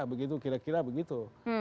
begitu kira kira begitu